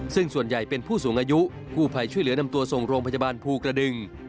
ซึ่งส่วนใหญ่เป็นผู้สูงอายุกู้ภัยช่วยเหลือนำตัวส่งโรงพยาบาลภูกระดึง